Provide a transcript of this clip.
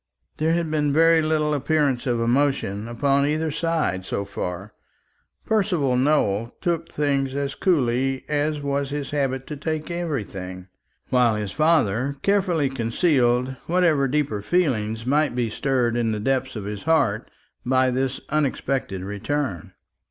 There had been very little appearance of emotion upon either side so far. Percival Nowell took things as coolly as it was his habit to take everything, while his father carefully concealed whatever deeper feeling might be stirred in the depths of his heart by this unexpected return.